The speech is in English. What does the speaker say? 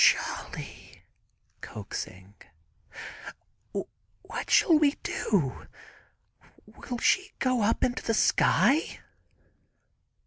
"Cholly," coaxing, "what shall we do—will she go up into the sky?"